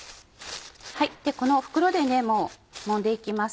この袋でもう揉んで行きます。